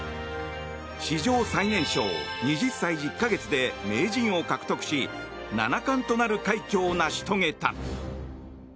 史上最年少２０歳１０か月で名人を獲得し七冠となる快挙を成し遂げた。